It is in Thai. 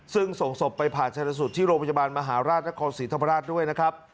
ซึ่งส่งศพไปผ่าชนสูตรที่โรงพยาบาลมหาราชนครศรีธรรมราชด้วยนะครับ